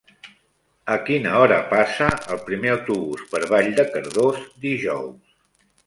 A quina hora passa el primer autobús per Vall de Cardós dijous?